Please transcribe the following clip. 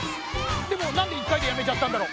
でもなんで１かいでやめちゃったんだろ。